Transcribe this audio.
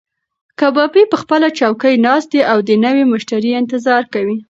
کبابي په خپله چوکۍ ناست دی او د نوي مشتري انتظار کوي.